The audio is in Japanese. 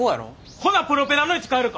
ほなプロペラの位置変えるか？